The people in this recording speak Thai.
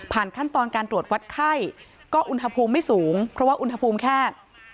ขั้นตอนการตรวจวัดไข้ก็อุณหภูมิไม่สูงเพราะว่าอุณหภูมิแคบ